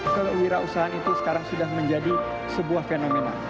kewirausahaan itu sekarang sudah menjadi sebuah fenomena